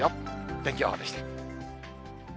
天気予報でした。